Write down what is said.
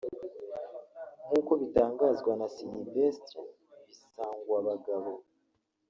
nk’uko bitangazwa na Sylvestre Bisangwabagabo